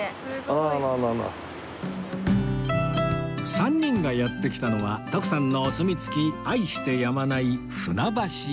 ３人がやって来たのは徳さんのお墨付き愛してやまない船橋屋